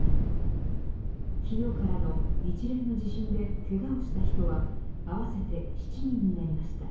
昨日からの一連の地震でけがをした人は合わせて７人になりました。